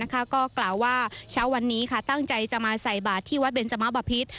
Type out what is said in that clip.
ก็กล่าวว่าเช้าวันนี้ตั้งใจจะมาใส่บาทที่วัดเบนจมะบะพิษ